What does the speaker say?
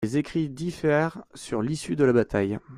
Les écrits diffèrent sur l'issue de la bataille.